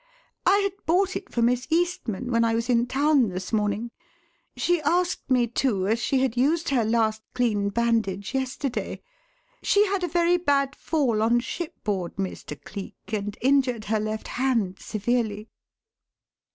"I had bought it for Miss Eastman when I was in town this morning. She asked me to, as she had used her last clean bandage yesterday. She had a very bad fall on shipboard, Mr. Cleek, and injured her left hand severely!"